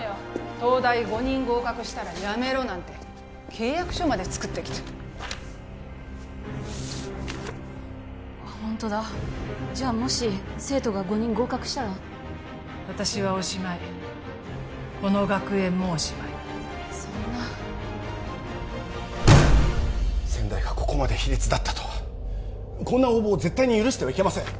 東大５人合格したら辞めろなんて契約書まで作ってきてあホントだじゃあもし生徒が５人合格したら私はおしまいこの学園もおしまいそんな先代がここまで卑劣だったとはこんな横暴絶対に許してはいけません